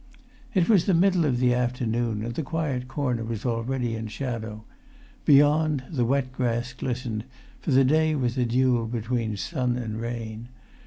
It was the middle of the afternoon, and the quiet corner was already in shadow; beyond, the wet grass glistened, for the day was a duel between sun and rain.